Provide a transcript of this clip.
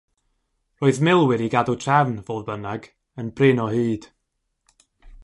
Roedd milwyr i gadw trefn, fodd bynnag, yn brin o hyd.